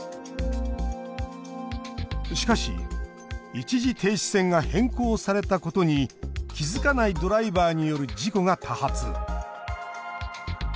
しかし、一時停止線が変更されたことに気付かないドライバーによる事故が多発。